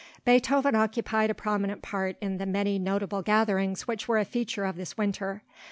Beethoven occupied a prominent part in the many notable gatherings which were a feature of this winter.